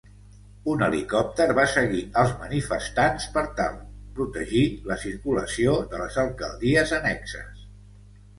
Un helicòpter va seguir als manifestants per tal protegir la circulació de les alcaldies annexes.